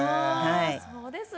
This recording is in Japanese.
そうですね。